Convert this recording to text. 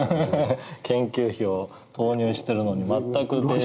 研究費を投入してるのに全くデータが出てこない。